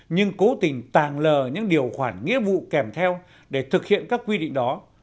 nhưng cố tình tàn lờ những điều khoản nghĩa vụ kèm theo để thực hiện các quy định đó